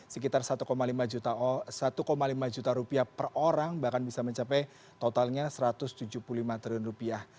sekitar satu lima juta rupiah per orang bahkan bisa mencapai totalnya satu ratus tujuh puluh lima triliun rupiah